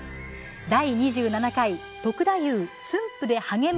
第２７回「篤太夫、駿府で励む」